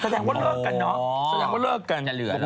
แสดงว่าเลิกกันเนอะอ๋อแสดงว่าเลิกกันจะเหลือแล้ว